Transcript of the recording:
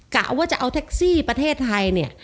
กะว่าจะเอาแท็กซี่ประเทศไทยเนี่ย